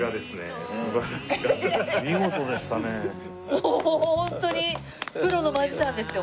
もうホントにプロのマジシャンですよ